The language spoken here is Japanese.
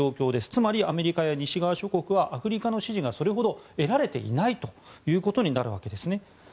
つまり、アメリカや西側諸国はアフリカの支持がそれほど得られていないということになるわけです。